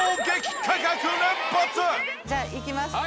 じゃあいきます。